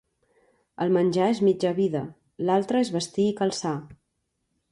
El menjar és mitja vida; l'altra és vestir i calçar.